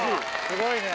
すごいね。